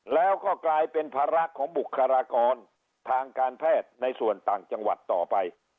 แล้วก็กลายเป็นภาระของบุคลากรทางการแพทย์ในส่วนต่างจังหวัดต่อไป